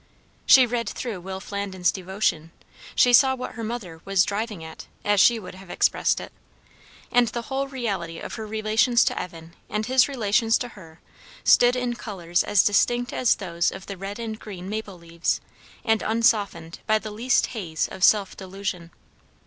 She read through Will Flandin's devotion; she saw what her mother was "driving at," as she would have expressed it. And the whole reality of her relations to Evan and his relations to her stood in colours as distinct as those of the red and green maple leaves, and unsoftened by the least haze of self delusion.